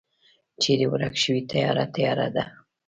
چیری ورک شوی تیاره، تیاره ده